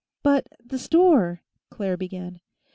"But the store " Claire began.